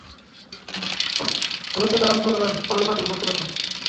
ধৈর্যধারণ করবেন, তাহলে পাপ থেকে বাঁচতে পারবেন।